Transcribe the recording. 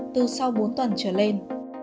từ sau bốn tuần trở lên